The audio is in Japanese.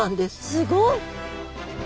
すごい。